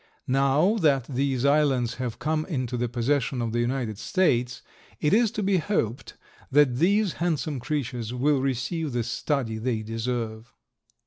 Now that these islands have come into the possession of the United States it is to be hoped that these handsome creatures will receive the study they deserve.